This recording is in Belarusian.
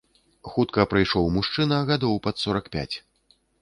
Хутка прыйшоў мужчына гадоў пад сорак пяць.